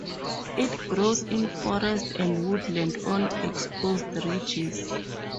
It grows in forest and woodland on exposed ridges.